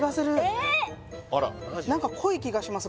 えっ何か濃い気がします